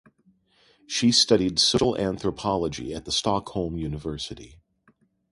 She studied social anthropology at the Stockholm University.